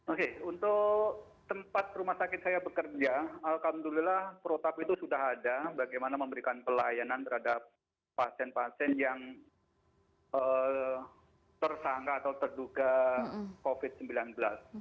oke untuk tempat rumah sakit saya bekerja alhamdulillah protap itu sudah ada bagaimana memberikan pelayanan terhadap pasien pasien yang tersangka atau terduga covid sembilan belas